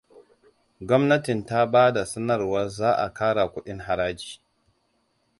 Gwamnatin ta bada sanarwar zaʻa ƙara kuɗin haraji.